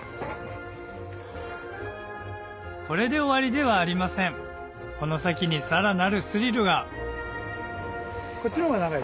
これで終わりではありませんこの先にさらなるスリルがこっちのほうが長い？